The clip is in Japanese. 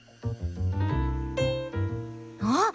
あっ！